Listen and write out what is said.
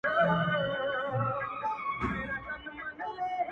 مه; مه د زړه ازار مـي مـــه اخـــلـــــه تــــــــه;